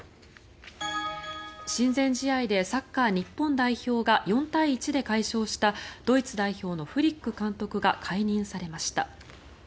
親善試合でサッカー日本代表が４対１で快勝したドイツ代表のフリック監督が解任されました。